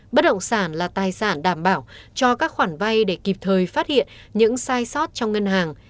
bất động sản là tài sản đảm bảo cho các khoản vay để kịp thời phát hiện những sai sót trong ngân hàng